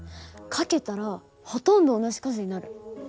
掛けたらほとんど同じ数になる。